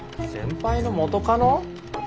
先輩の元カノ？